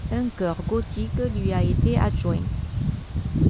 Un chœur gothique lui a été adjoint.